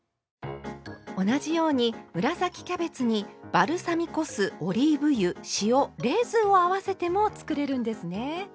同じように紫キャベツにバルサミコ酢オリーブ油塩レーズンを合わせても作れるんですね。